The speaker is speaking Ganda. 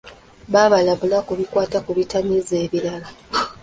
Babalabula ku bikwata ku bitamiiza ebirala.